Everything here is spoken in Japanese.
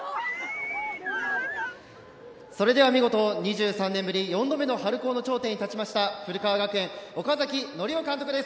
それでは見事２３年ぶり４度目の春高の頂点に立ちました古川学園・岡崎典生監督です。